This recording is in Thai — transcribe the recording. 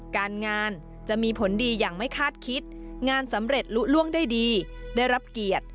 การงานจะมีผลดีอย่างไม่คาดคิดงานสำเร็จลุล่วงได้ดีได้รับเกียรติ